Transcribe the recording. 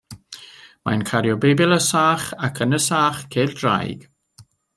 Mae'n cario Beibl a sach, ac yn y sach ceir draig.